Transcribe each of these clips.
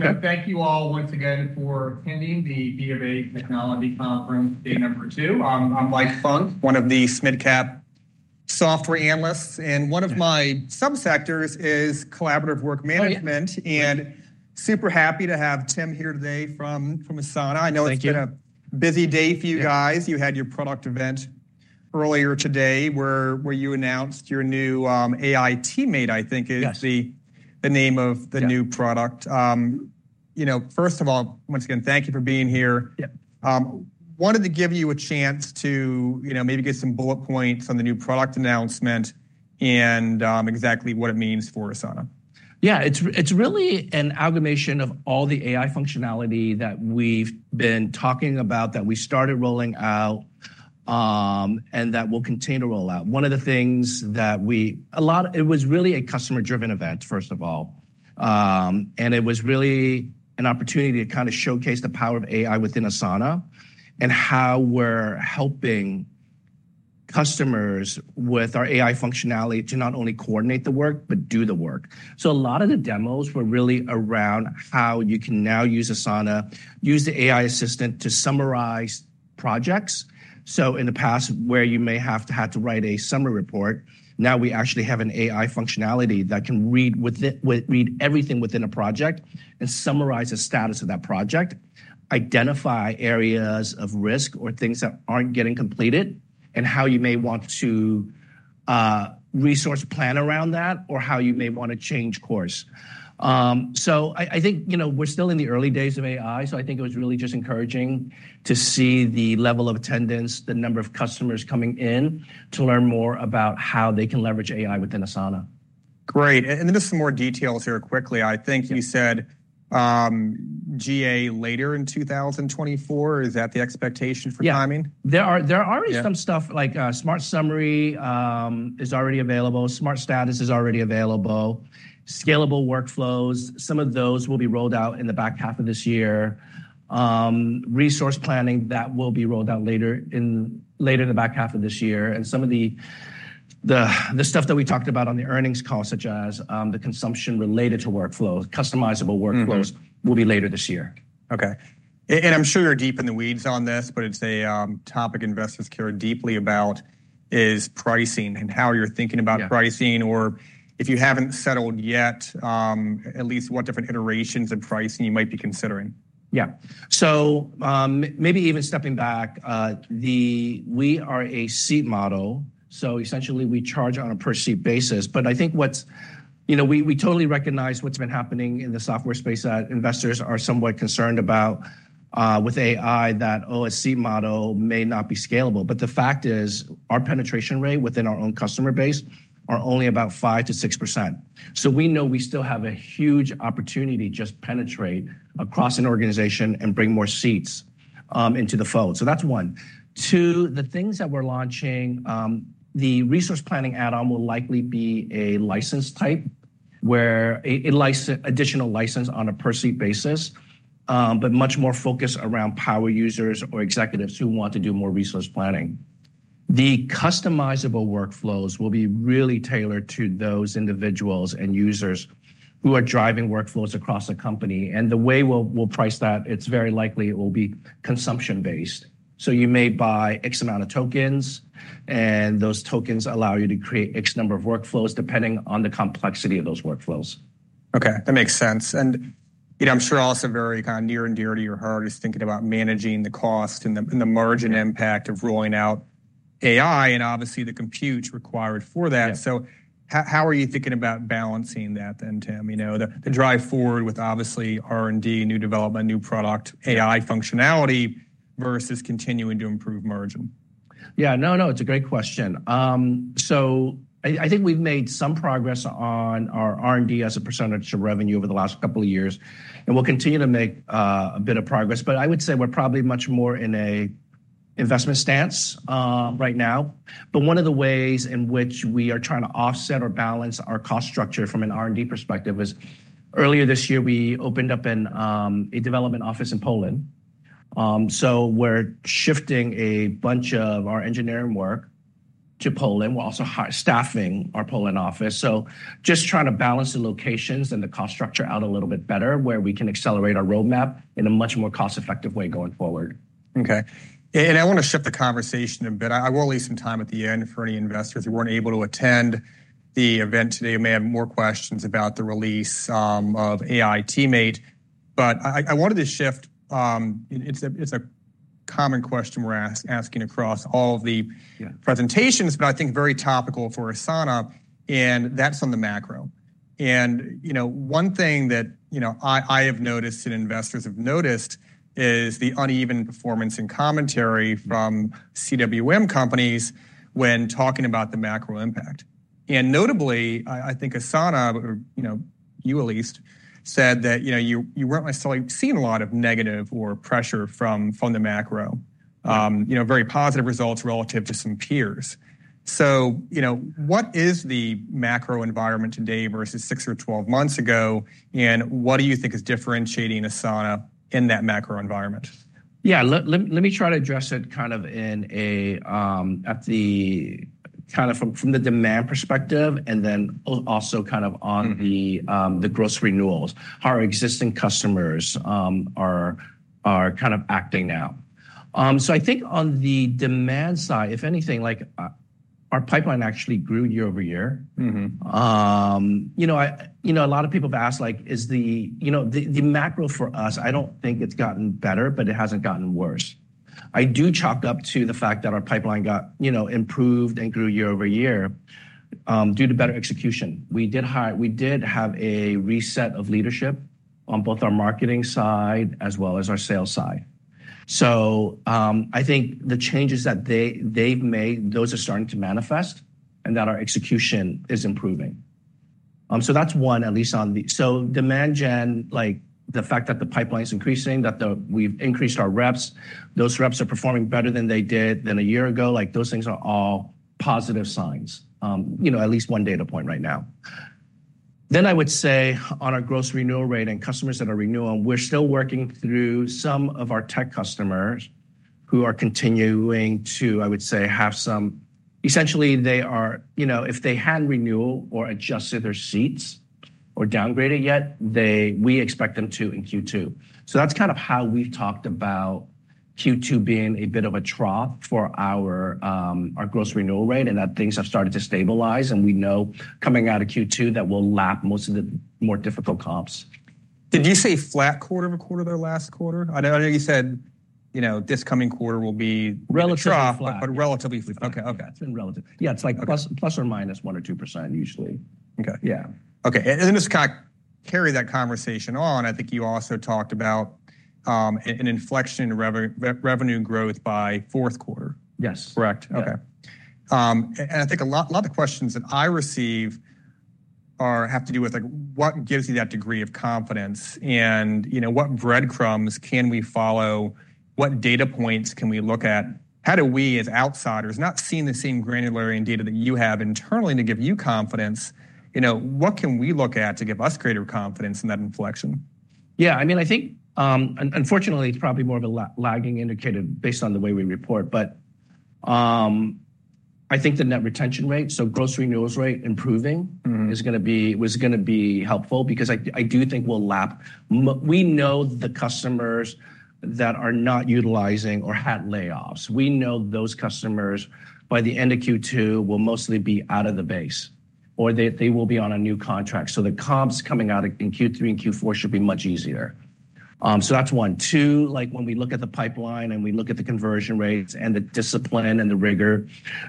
Thank you all once again for attending the BofA Technology Conference, day two. I'm Mike Funk, one of the mid-cap software analysts, and one of my subsectors is collaborative work management. Oh, yeah. Super happy to have Tim Wan here today from Asana. Thank you. I know it's been a busy day for you guys. Yeah. You had your product event earlier today, where you announced your new AI teammate, I think- Yes Is the name of the new product. Yeah. You know, first of all, once again, thank you for being here. Yeah. Wanted to give you a chance to, you know, maybe get some bullet points on the new product announcement and exactly what it means for Asana. Yeah, it's, it's really an amalgamation of all the AI functionality that we've been talking about, that we started rolling out, and that we'll continue to roll out. A lot. It was really a customer-driven event, first of all. And it was really an opportunity to kind of showcase the power of AI within Asana, and how we're helping customers with our AI functionality to not only coordinate the work, but do the work. So a lot of the demos were really around how you can now use Asana, use the AI assistant to summarize projects. So in the past, where you may have had to write a summary report, now we actually have an AI functionality that can read everything within a project and summarize the status of that project, identify areas of risk or things that aren't getting completed, and how you may want to resource plan around that, or how you may want to change course. So I think, you know, we're still in the early days of AI, so I think it was really just encouraging to see the level of attendance, the number of customers coming in to learn more about how they can leverage AI within Asana. Great, and then just some more details here quickly. Yeah. I think you said, GA later in 2024. Is that the expectation for timing? Yeah. There are- Yeah... There are already some stuff, like, Smart Summary is already available. Smart Status is already available. Scalable Workflows, some of those will be rolled out in the back half of this year. Resource planning, that will be rolled out later in the back half of this year. And some of the stuff that we talked about on the earnings call, such as, the consumption related to workflows, customizable workflows- Mm-hmm... will be later this year. Okay. And I'm sure you're deep in the weeds on this, but it's a topic investors care deeply about, is pricing and how you're thinking about pricing- Yeah... or if you haven't settled yet, at least what different iterations of pricing you might be considering? Yeah. So, maybe even stepping back, we are a seat model, so essentially we charge on a per-seat basis. But I think what's... You know, we, we totally recognize what's been happening in the software space, that investors are somewhat concerned about, with AI, that, oh, a seat model may not be scalable. But the fact is, our penetration rate within our own customer base are only about 5%-6%. So we know we still have a huge opportunity to just penetrate across an organization and bring more seats into the fold. So that's one. Two, the things that we're launching, the resource planning add-on will likely be a license type, where a additional license on a per-seat basis, but much more focused around power users or executives who want to do more resource planning. The customizable workflows will be really tailored to those individuals and users who are driving workflows across a company. And the way we'll price that, it's very likely it will be consumption based. So you may buy X amount of tokens, and those tokens allow you to create X number of workflows, depending on the complexity of those workflows. Okay, that makes sense. And, you know, I'm sure also very kind of near and dear to your heart is thinking about managing the cost and the margin impact- Yeah... of rolling out AI, and obviously the compute required for that. Yeah. So how are you thinking about balancing that then, Tim Wan? You know, the drive forward with obviously R&D, new development, new product, AI functionality- Yeah... versus continuing to improve margin? Yeah. No, no, it's a great question. So I think we've made some progress on our R&D as a percentage of revenue over the last couple of years, and we'll continue to make a bit of progress, but I would say we're probably much more in an investment stance right now. But one of the ways in which we are trying to offset or balance our cost structure from an R&D perspective is, earlier this year, we opened up a development office in Poland. So we're shifting a bunch of our engineering work to Poland. We're also staffing our Poland office. So just trying to balance the locations and the cost structure out a little bit better, where we can accelerate our roadmap in a much more cost-effective way going forward. Okay. I want to shift the conversation a bit. I will leave some time at the end for any investors who weren't able to attend the event today, who may have more questions about the release of AI Teammate. But I wanted to shift. It's a common question we're asking across all of the- Yeah... presentations, but I think very topical for Asana, and that's on the macro. And, you know, one thing that, you know, I, I have noticed and investors have noticed is the uneven performance and commentary from CWM companies when talking about the macro impact. And notably, I, I think Asana, or, you know, you at least, said that, you know, you, you weren't necessarily seeing a lot of negative or pressure from, from the macro. Mm. You know, very positive results relative to some peers. So, you know, what is the macro environment today versus six or 12 months ago, and what do you think is differentiating Asana in that macro environment? Yeah, let me try to address it kind of from the demand perspective, and then also kind of on the... Mm-hmm... the gross renewals, how our existing customers are kind of acting now. So I think on the demand side, if anything, like, our pipeline actually grew year-over-year. Mm-hmm. You know, I, you know, a lot of people have asked, like, is the macro for us. I don't think it's gotten better, but it hasn't gotten worse. I do chalk up to the fact that our pipeline got, you know, improved and grew year-over-year due to better execution. We did have a reset of leadership on both our marketing side as well as our sales side. So, I think the changes that they've made, those are starting to manifest, and that our execution is improving. So that's one, at least on the, so demand gen, like, the fact that the pipeline is increasing, we've increased our reps, those reps are performing better than they did a year ago. Like, those things are all positive signs, you know, at least one data point right now. Then I would say on our Gross Renewal Rate and customers that are renewing, we're still working through some of our tech customers who are continuing to, I would say, have some... Essentially, they are, you know, if they hadn't renewed or adjusted their seats or downgraded yet, they, we expect them to in Q2. So that's kind of how we've talked about Q2 being a bit of a trough for our Gross Renewal Rate, and that things have started to stabilize, and we know coming out of Q2 that we'll lap most of the more difficult comps. Did you say flat quarter-over-quarter last quarter? I know, I know you said, you know, this coming quarter will be- Relatively flat. But relatively flat. Okay, okay. It's been relative. Yeah- Okay... it's like + or -1% or 2%, usually. Okay. Yeah. Okay, and just kind of carry that conversation on. I think you also talked about an inflection in revenue growth by Q4. Yes. Correct. Yeah. Okay. And I think a lot, a lot of the questions that I receive are, have to do with, like, what gives you that degree of confidence? And, you know, what breadcrumbs can we follow? What data points can we look at? How do we, as outsiders, not seeing the same granularity in data that you have internally to give you confidence, you know, what can we look at to give us greater confidence in that inflection? Yeah, I mean, unfortunately, it's probably more of a lagging indicator based on the way we report, but, I think the net retention rate, so gross renewal rate improving- Mm-hmm... is gonna be, was gonna be helpful because I do think we'll lap. We know the customers that are not utilizing or had layoffs. We know those customers by the end of Q2 will mostly be out of the base, or they will be on a new contract. So the comps coming out in Q3 and Q4 should be much easier. So that's one. Two, like, when we look at the pipeline, and we look at the conversion rates and the discipline and the rigor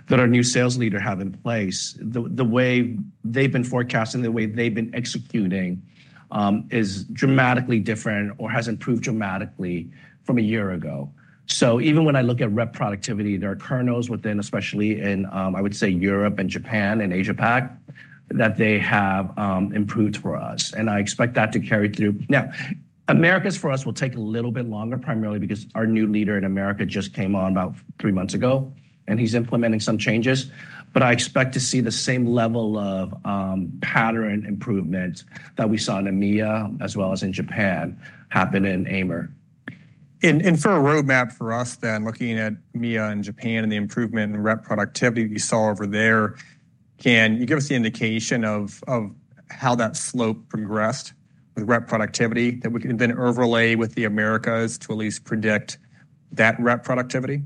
that our new sales leader have in place, the way they've been forecasting, the way they've been executing, is dramatically- Mm... different or has improved dramatically from a year ago. So even when I look at rep productivity, there are kernels within, especially in, I would say, Europe and Japan and Asia-Pac, that they have, improved for us, and I expect that to carry through. Now, Americas, for us, will take a little bit longer, primarily because our new leader in America just came on about three months ago, and he's implementing some changes, but I expect to see the same level of, pattern improvement that we saw in EMEA, as well as in Japan, happen in AMER. And for a roadmap for us then, looking at EMEA and Japan and the improvement in rep productivity we saw over there, can you give us the indication of how that slope progressed with rep productivity, that we can then overlay with the Americas to at least predict that rep productivity?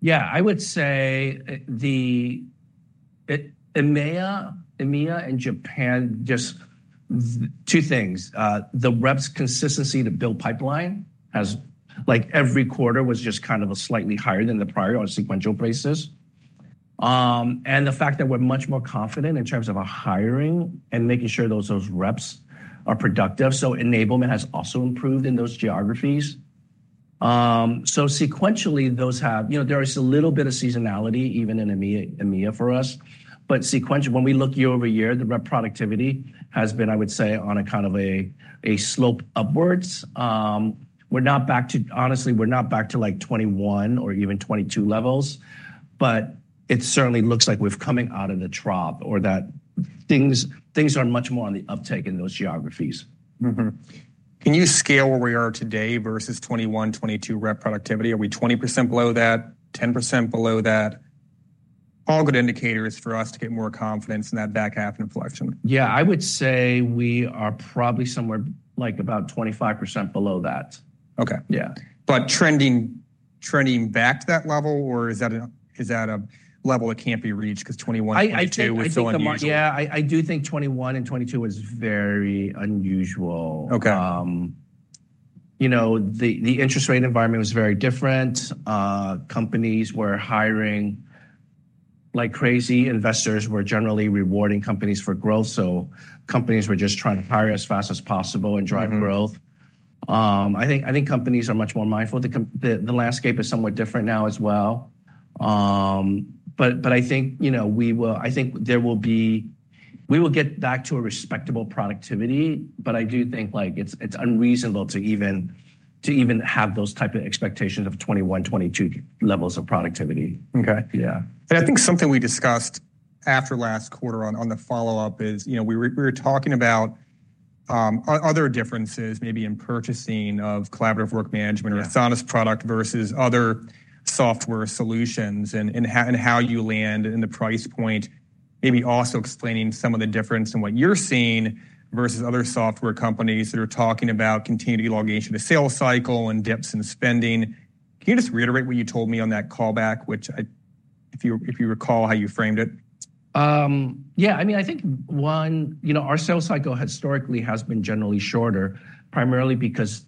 Yeah, I would say the EMEA and Japan, just two things: the reps' consistency to build pipeline has, like, every quarter was just kind of a slightly higher than the prior on a sequential basis. And the fact that we're much more confident in terms of our hiring and making sure those reps are productive, so enablement has also improved in those geographies. So sequentially, those have... You know, there is a little bit of seasonality, even in EMEA for us, but sequentially, when we look year-over-year, the rep productivity has been, I would say, on a kind of a slope upwards. We're not back to, honestly, we're not back to, like, 2021 or even 2022 levels, but it certainly looks like we're coming out of the trough or that things are much more on the uptake in those geographies. Mm-hmm. Can you scale where we are today versus 2021, 2022 rep productivity? Are we 20% below that, 10% below that? All good indicators for us to get more confidence in that back half inflection. Yeah, I would say we are probably somewhere, like, about 25% below that. Okay. Yeah. But trending back to that level, or is that a level that can't be reached 'cause 2021, 2022- I think the mar-... were so unusual? Yeah, I do think 2021 and 2022 was very unusual. Okay. You know, the interest rate environment was very different. Companies were hiring like crazy. Investors were generally rewarding companies for growth, so companies were just trying to hire as fast as possible- Mm-hmm... and drive growth. I think companies are much more mindful. The landscape is somewhat different now as well. But I think, you know, we will get back to a respectable productivity, but I do think, like, it's unreasonable to even have those type of expectations of 2021, 2022 levels of productivity. Okay. Yeah. I think something we discussed after last quarter on the follow-up is, you know, we were talking about other differences maybe in purchasing of collaborative work management. Yeah. or Asana's product versus other software solutions, and how you land in the price point. Maybe also explaining some of the difference in what you're seeing versus other software companies that are talking about continued elongation of sales cycle and dips in spending. Can you just reiterate what you told me on that callback, which if you recall how you framed it? Yeah, I mean, I think one, you know, our sales cycle historically has been generally shorter, primarily because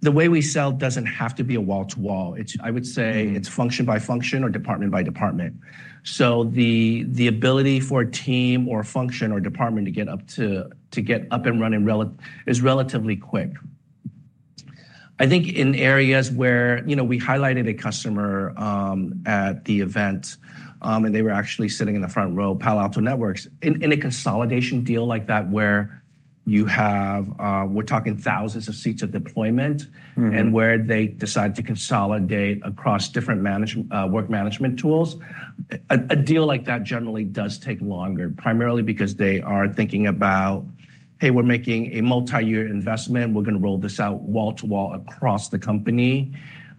the way we sell doesn't have to be a wall-to-wall. It's, I would say- Mm-hmm. It's function by function or department by department. So the ability for a team or function or department to get up and running is relatively quick. I think in areas where, you know, we highlighted a customer at the event, and they were actually sitting in the front row, Palo Alto Networks. In a consolidation deal like that, where you have, we're talking thousands of seats of deployment- Mm-hmm. And where they decide to consolidate across different work management tools, a deal like that generally does take longer, primarily because they are thinking about, "Hey, we're making a multi-year investment. We're gonna roll this out wall-to-wall across the company."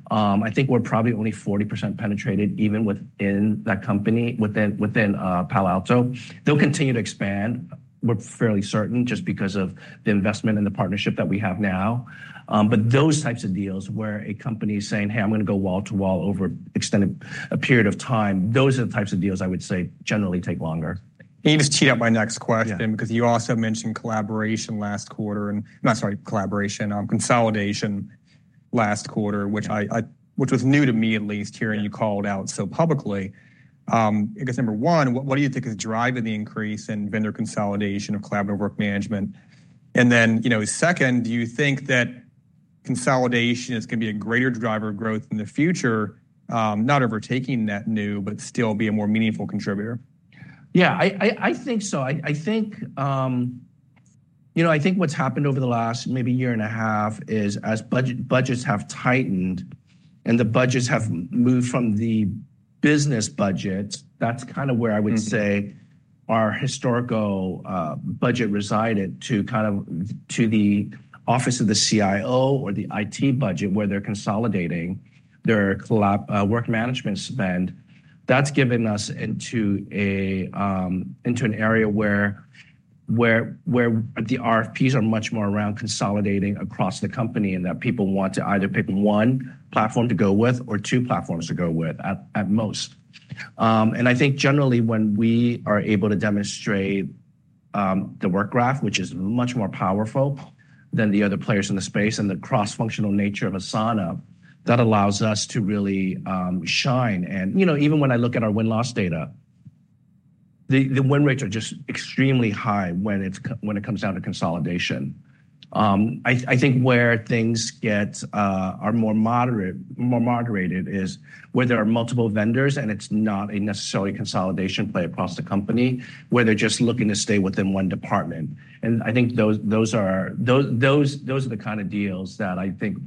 I think we're probably only 40% penetrated, even within that company, within Palo Alto. They'll continue to expand. We're fairly certain, just because of the investment and the partnership that we have now. But those types of deals where a company is saying, "Hey, I'm gonna go wall-to-wall over an extended period of time," those are the types of deals I would say generally take longer. You just teed up my next question- Yeah. Because you also mentioned collaboration last quarter, and, no sorry, consolidation last quarter, which was new to me, at least, hearing you call it out so publicly. I guess number one, what do you think is driving the increase in vendor consolidation of collaborative work management? And then, you know, second, do you think that consolidation is gonna be a greater driver of growth in the future, not overtaking net new, but still be a more meaningful contributor? Yeah, I think so. I think, you know, I think what's happened over the last maybe year and a half is, as budgets have tightened and the budgets have moved from the business budget, that's kind of where I would say- Mm-hmm... our historical, budget resided to kind of, to the office of the CIO or the IT budget, where they're consolidating their collab, work management spend. That's given us into a, into an area where the RFPs are much more around consolidating across the company, and that people want to either pick one platform to go with or two platforms to go with at most. And I think generally, when we are able to demonstrate, the Work Graph, which is much more powerful than the other players in the space and the cross-functional nature of Asana, that allows us to really, shine. And, you know, even when I look at our win-loss data, the win rates are just extremely high when it comes down to consolidation. I think where things get are more moderate, more moderated is where there are multiple vendors, and it's not a necessarily consolidation play across the company, where they're just looking to stay within one department. And I think those are the kind of deals that I think,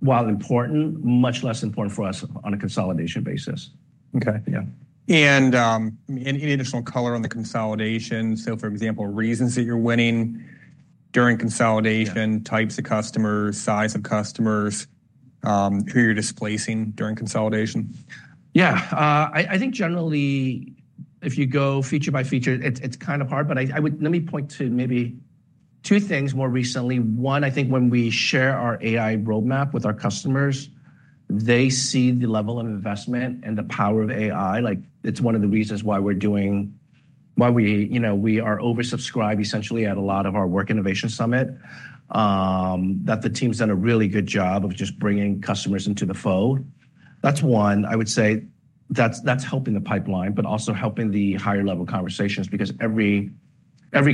while important, much less important for us on a consolidation basis. Okay. Yeah. Any additional color on the consolidation? So, for example, reasons that you're winning during consolidation- Yeah. Types of customers, size of customers, who you're displacing during consolidation? Yeah. I think generally, if you go feature by feature, it's kind of hard, but I would- let me point to maybe two things more recently. One, I think when we share our AI roadmap with our customers, they see the level of investment and the power of AI. Like, it's one of the reasons why we're doing- why we, you know, we are oversubscribed essentially at a lot of our Work Innovation Summit. That the team's done a really good job of just bringing customers into the fold. That's one. I would say that's helping the pipeline, but also helping the higher-level conversations because every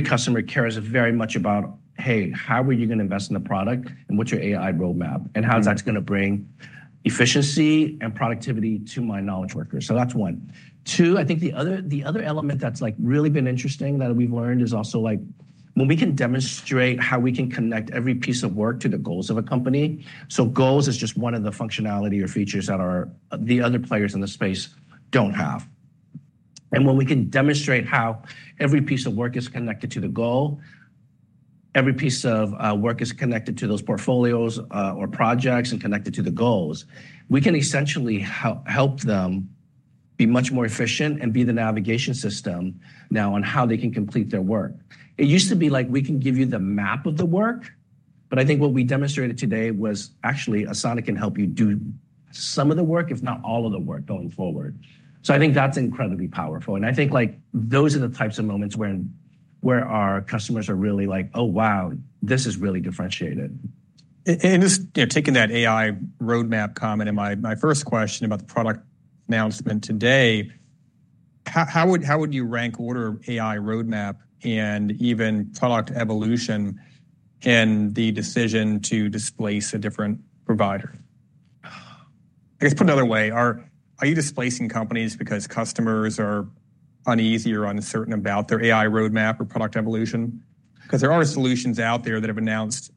customer cares very much about, "Hey, how are you gonna invest in the product, and what's your AI roadmap? And how is that gonna bring efficiency and productivity to my knowledge workers?" So that's one. Too, I think the other element that's, like, really been interesting that we've learned is also, like, when we can demonstrate how we can connect every piece of work to the goals of a company. So goals is just one of the functionality or features that are, the other players in the space don't have. And when we can demonstrate how every piece of work is connected to the goal, every piece of work is connected to those portfolios or projects and connected to the goals, we can essentially help them be much more efficient and be the navigation system now on how they can complete their work. It used to be like, we can give you the map of the work, but I think what we demonstrated today was actually Asana can help you do some of the work, if not all of the work going forward. So I think that's incredibly powerful, and I think, like, those are the types of moments where our customers are really like, "Oh, wow, this is really differentiated. And just, you know, taking that AI roadmap comment in my first question about the product announcement today, how would you rank order AI roadmap and even product evolution in the decision to displace a different provider? Oh. I guess, put another way, are you displacing companies because customers are uneasy or uncertain about their AI roadmap or product evolution? Because there are solutions out there that have announced,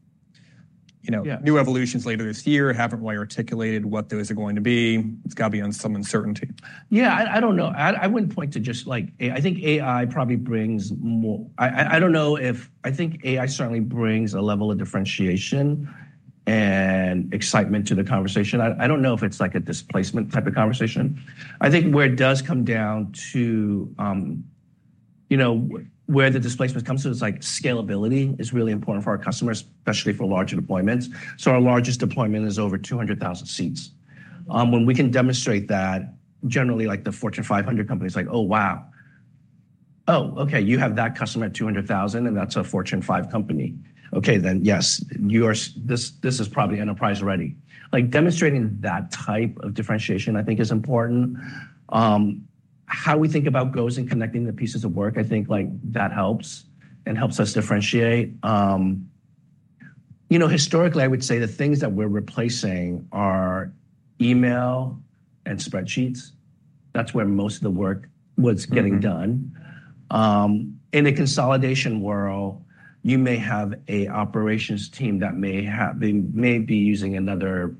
you know, new evolutions later this year, haven't really articulated what those are going to be. It's got to be on some uncertainty. Yeah, I don't know. I wouldn't point to just like, AI-- I think AI probably brings more-- I don't know if-- I think AI certainly brings a level of differentiation and excitement to the conversation. I don't know if it's like a displacement type of conversation. I think where it does come down to, you know, where the displacement comes to, is like scalability is really important for our customers, especially for larger deployments. So our largest deployment is over 200,000 seats. When we can demonstrate that, generally, like the Fortune 500 companies, like, "Oh, wow! Oh, okay, you have that customer at 200,000, and that's a Fortune 500 company. Okay, then, yes, you are-- this, this is probably enterprise-ready." Like, demonstrating that type of differentiation, I think is important. How we think about Goals and connecting the pieces of work, I think, like, that helps and helps us differentiate. You know, historically, I would say the things that we're replacing are email and spreadsheets. That's where most of the work was getting done. Mm-hmm. In a consolidation world, you may have a operations team that may be using another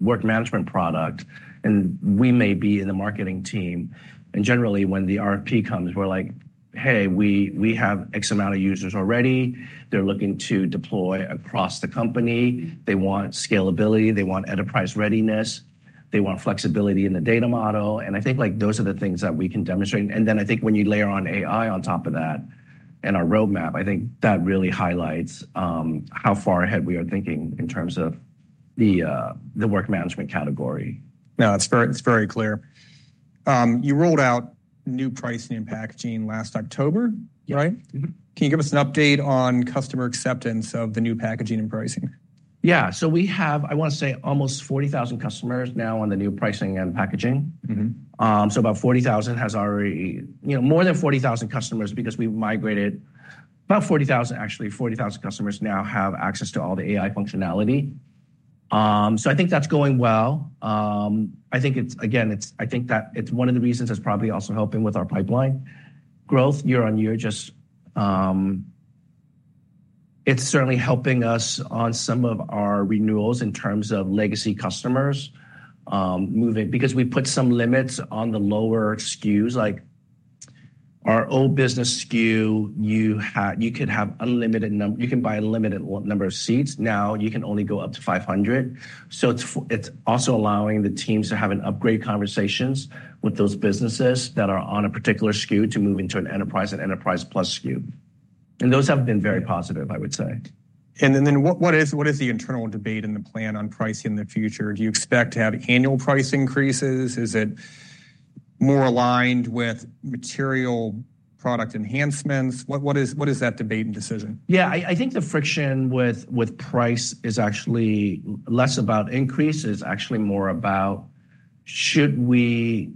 work management product, and we may be in the marketing team. Generally, when the RFP comes, we're like: Hey, we, we have X amount of users already. They're looking to deploy across the company. Mm-hmm. They want scalability, they want enterprise readiness, they want flexibility in the data model, and I think, like, those are the things that we can demonstrate. And then I think when you layer on AI on top of that and our roadmap, I think that really highlights how far ahead we are thinking in terms of the work management category. Now, it's very, it's very clear. You rolled out new pricing and packaging last October, right? Mm-hmm. Can you give us an update on customer acceptance of the new packaging and pricing? Yeah. So we have, I want to say, almost 40,000 customers now on the new pricing and packaging. Mm-hmm. So about 40,000 customers has already... You know, more than 40,000 customers because we migrated about 40,000 customers, actually, 40,000 customers now have access to all the AI functionality. So I think that's going well. I think it's—again, it's—I think that it's one of the reasons that's probably also helping with our pipeline growth year-on-year. Just, it's certainly helping us on some of our renewals in terms of legacy customers, moving, because we put some limits on the lower SKUs, like, our old business SKU, you can buy a limited number of seats. Now, you can only go up to 500. So it's also allowing the teams to have upgrade conversations with those businesses that are on a particular SKU to move into an Enterprise and Enterprise Plus SKU. And those have been very positive, I would say. And then what is the internal debate and the plan on pricing in the future? Do you expect to have annual price increases? Is it more aligned with material product enhancements? What is that debate and decision? Yeah, I think the friction with price is actually less about increases, actually more about should we--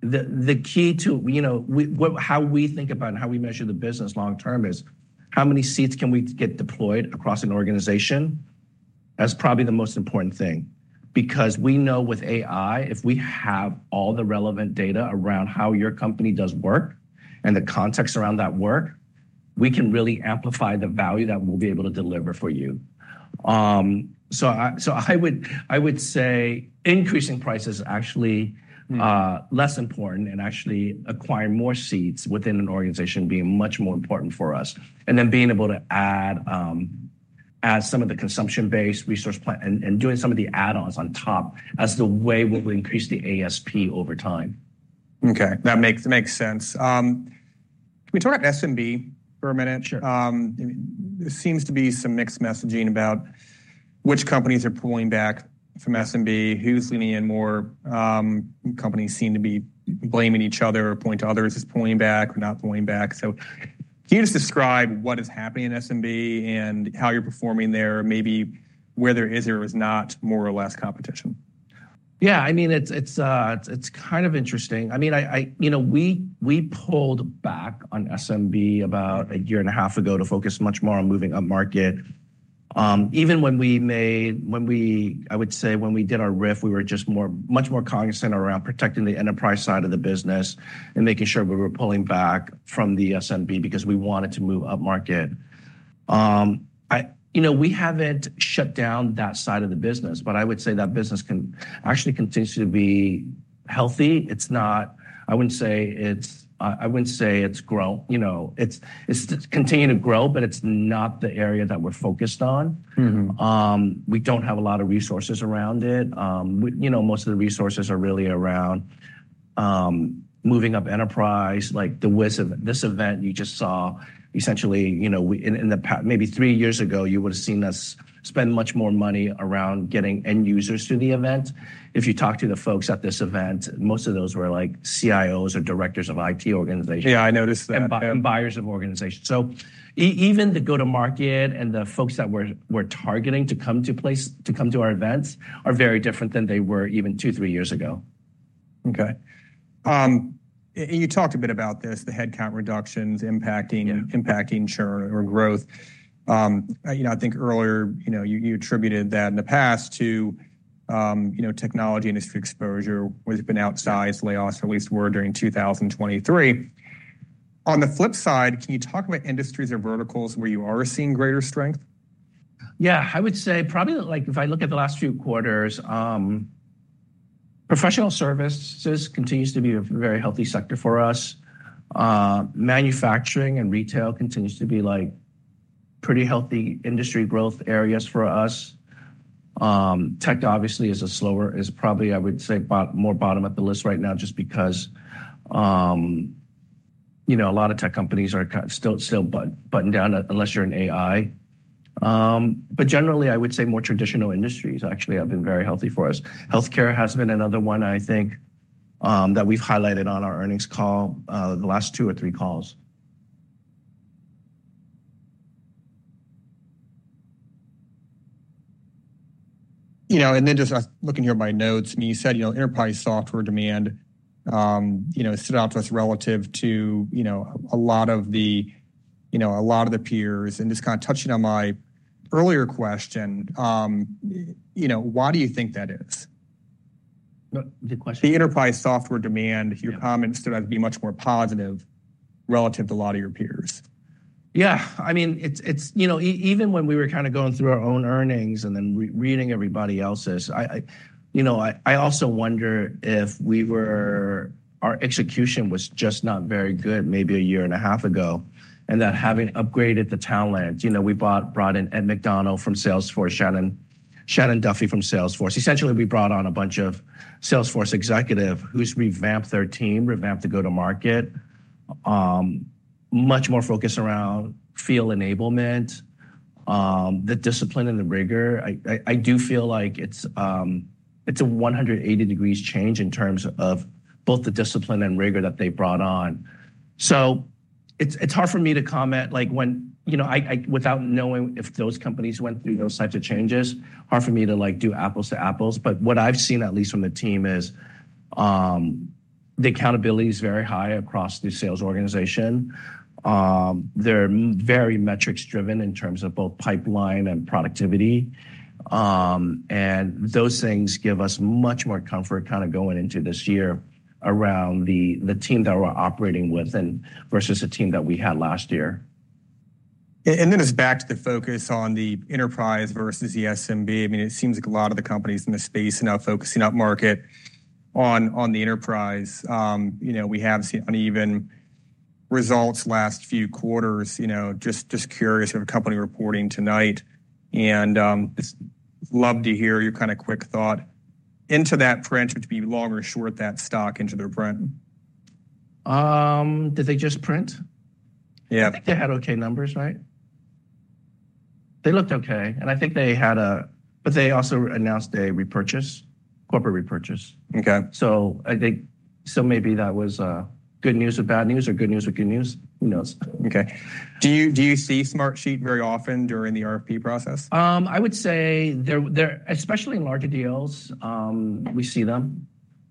The key to, you know, how we think about and how we measure the business long term is, how many seats can we get deployed across an organization? That's probably the most important thing, because we know with AI, if we have all the relevant data around how your company does work and the context around that work, we can really amplify the value that we'll be able to deliver for you. So I would say increasing price is actually- Mm... less important, and actually acquiring more seats within an organization being much more important for us. And then being able to add some of the consumption-based resource plan and doing some of the add-ons on top, as the way we will increase the ASP over time. Okay, that makes sense. Can we talk about SMB for a minute? Sure. There seems to be some mixed messaging about which companies are pulling back from SMB. Yeah... who's leaning in more. Companies seem to be blaming each other or pointing to others as pulling back or not pulling back. So can you just describe what is happening in SMB and how you're performing there, maybe where there is or is not more or less competition? Yeah, I mean, it's kind of interesting. I mean, you know, we pulled back on SMB about a year and a half ago to focus much more on moving up-market. Even when we made, when we... I would say, when we did our RIF, we were just much more cognizant around protecting the enterprise side of the business and making sure we were pulling back from the SMB because we wanted to move up-market. You know, we haven't shut down that side of the business, but I would say that business actually continues to be healthy. It's not. I wouldn't say it's grow, you know. It's continuing to grow, but it's not the area that we're focused on. Mm-hmm. We don't have a lot of resources around it. You know, most of the resources are really around moving up enterprise, like this event you just saw, essentially. You know, in the past, maybe three years ago, you would have seen us spend much more money around getting end users to the event. If you talk to the folks at this event, most of those were, like, CIOs or directors of IT organizations- Yeah, I noticed that.... and buyers of organizations. So even the go-to-market and the folks that we're targeting to come to our events are very different than they were even two, three years ago. Okay. And you talked a bit about this, the headcount reductions impacting- Yeah... impacting churn or growth. You know, I think earlier, you know, you attributed that in the past to, you know, technology industry exposure, which had been outsized layoffs, or at least were during 2023. On the flip side, can you talk about industries or verticals where you are seeing greater strength? Yeah, I would say probably, like, if I look at the last few quarters, professional services continues to be a very healthy sector for us. Manufacturing and retail continues to be, like, pretty healthy industry growth areas for us. Tech obviously is a slower-- is probably, I would say, more bottom at the list right now just because, you know, a lot of tech companies are kind of still, still buttoned down unless you're in AI. But generally, I would say more traditional industries actually have been very healthy for us. Healthcare has been another one, I think, that we've highlighted on our earnings call, the last two or three calls. You know, and then just looking here at my notes, and you said, you know, enterprise software demand, you know, stood out to us relative to, you know, a lot of the, you know, a lot of the peers. And just kind of touching on my earlier question, you know, why do you think that is? The question? The enterprise software demand- Yeah. Your comments stood out to be much more positive relative to a lot of your peers. Yeah. I mean, it's... You know, even when we were kind of going through our own earnings and then re-reading everybody else's, I... You know, I also wonder if we were-- our execution was just not very good maybe a year and a half ago, and that having upgraded the talent, you know, we brought in Ed McDonnell from Salesforce, Shannon Duffy from Salesforce. Essentially, we brought on a bunch of Salesforce executives who've revamped their team, revamped the go-to-market, much more focused around field enablement, the discipline and the rigor. I do feel like it's, it's a 180-degree change in terms of both the discipline and rigor that they brought on. So it's hard for me to comment, like, when you know, without knowing if those companies went through those types of changes, hard for me to, like, do apples to apples. But what I've seen, at least from the team, is the accountability is very high across the sales organization. They're very metrics driven in terms of both pipeline and productivity. And those things give us much more comfort kind of going into this year around the team that we're operating with and versus the team that we had last year. Yeah, and then it's back to the focus on the enterprise versus the SMB. I mean, it seems like a lot of the companies in this space are now focusing upmarket on the enterprise. You know, we have seen uneven results last few quarters, you know, just curious of a company reporting tonight, and just love to hear your kind of quick thought into that trend, would you be long or short that stock into their print? Did they just print? Yeah. I think they had okay numbers, right? They looked okay, and I think they had a... But they also announced a repurchase, corporate repurchase. Okay. So maybe that was good news or bad news, or good news or good news. Who knows? Okay. Do you see Smartsheet very often during the RFP process? I would say they're especially in larger deals, we see them.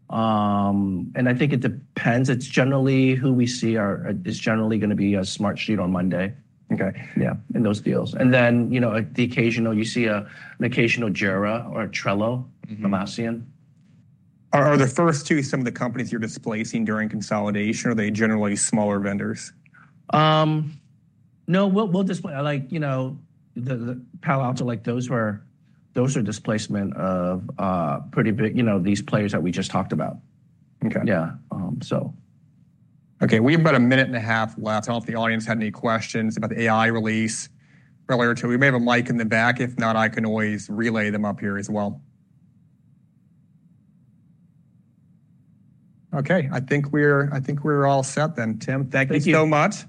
And I think it depends. It's generally who we see is generally gonna be a Smartsheet or monday.com. Okay. Yeah, in those deals. And then, you know, the occasional. You see, an occasional Jira or Trello, Atlassian. Mm-hmm. Are the first two some of the companies you're displacing during consolidation, or are they generally smaller vendors? No, we'll displace—like, you know, the Palo Alto, like, those are displacement of pretty big, you know, these players that we just talked about. Okay. Yeah. So. Okay, we have about a minute and a half left. I don't know if the audience had any questions about the AI release earlier today. We may have a mic in the back. If not, I can always relay them up here as well. Okay, I think we're all set then, Tim Wan. Thank you. Thank you so much.